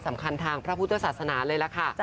สำคัญทางพระพุทธศาสนาเลยล่ะค่ะ